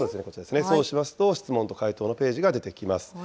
そうしますと、質問と回答のページが出てきます。